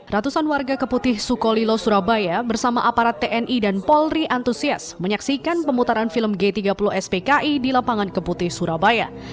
ratusan warga keputih sukolilo surabaya bersama aparat tni dan polri antusias menyaksikan pemutaran film g tiga puluh spki di lapangan keputih surabaya